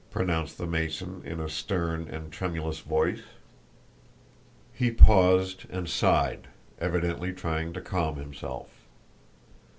pronounced the Mason in a stern and tremulous voice. He paused and sighed, evidently trying to calm himself.